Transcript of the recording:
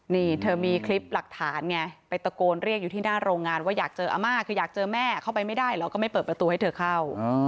นี่เธอมีคลิปหลักฐานไงไปตะโกนเรียกอยู่ที่หน้าโรงงานว่าอยากเจออาม่าคืออยากเจอแม่เข้าไปไม่ได้เหรอก็ไม่เปิดประตูให้เธอเข้า